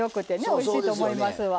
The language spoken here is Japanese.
おいしいと思いますわ。